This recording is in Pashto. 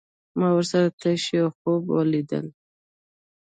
ما ورسره تش يو خوب کې وليدل